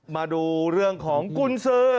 มาดูเรื่องของกุญสือ